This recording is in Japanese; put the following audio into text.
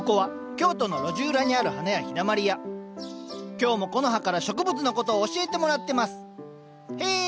今日もコノハから植物のことを教えてもらってますへえ。